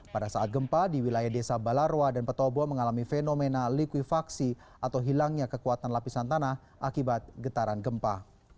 pada saat gempa di wilayah desa balarwa dan petobo mengalami fenomena likuifaksi atau hilangnya kekuatan lapisan tanah akibat getaran gempa